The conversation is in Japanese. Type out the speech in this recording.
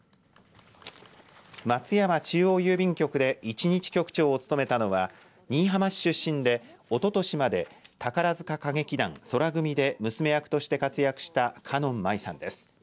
松山中央郵便局で一日局長を勤めたのは新居浜市出身で、おととしまで宝塚歌劇団宙組で娘役として活躍した花音舞さんです。